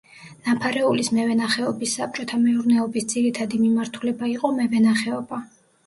ნაფარეულის მევენახეობის საბჭოთა მეურნეობის ძირითადი მიმართულება იყო მევენახეობა.